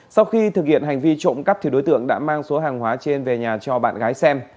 sau khi thực hiện hành vi trộm cắp đối tượng đã mang số hàng hóa trên về nhà cho bạn gái xem